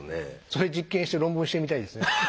それ実験して論文にしてみたいですね。